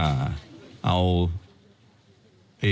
แล้วถ้าคุณชุวิตไม่ออกมาเป็นเรื่องกลุ่มมาเฟียร์จีน